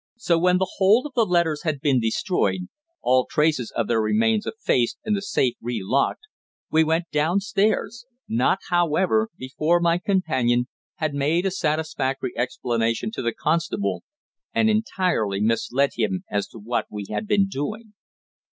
So when the whole of the letters had been destroyed, all traces of their remains effaced and the safe re locked, we went downstairs not, however, before my companion had made a satisfactory explanation to the constable and entirely misled him as to what we had been doing.